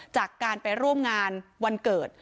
จากการไปร่วมงานวันเกิด